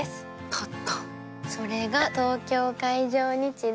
立ったそれが東京海上日動